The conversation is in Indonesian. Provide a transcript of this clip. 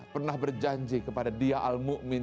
pernah berjanji kepada dia al mu'min